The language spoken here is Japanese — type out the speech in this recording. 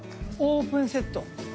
オープンセット。